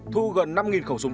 thu gần năm khẩu súng